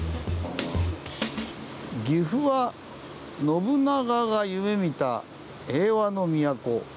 「岐阜は信長が夢見た“平和の都”⁉」。